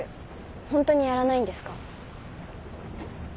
ホントにやらないんですか？